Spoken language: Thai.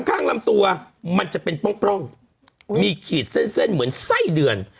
ข้างลำตัวมันจะเป็นป้องมีขีดเส้นเส้นเหมือนไส้เดือน